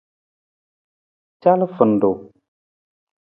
Calafarung.